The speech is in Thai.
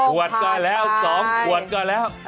ขวดก็แล้ว๒ขวดก็แล้ว